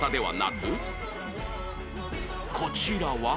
こちらは